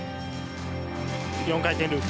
４回転ループ。